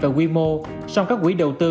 và quy mô song các quỹ đầu tư